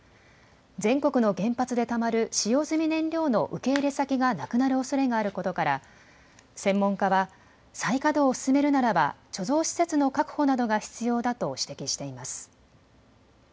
全国の原発でたまる使用済み燃料の受け入れ先がなくなるおそれがあることから、専門家は再稼働を進めるならば貯蔵施設の確保などが必要だと指摘しています。